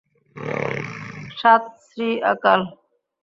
সাত শ্রী আকাল।